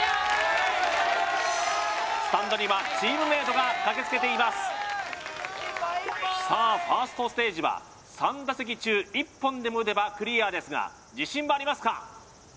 スタンドにはチームメイトがかけつけていますさあファーストステージは３打席中１本でも打てばクリアですが自信はありますか？